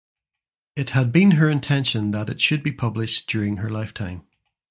It had been her intention that it should be published during her lifetime.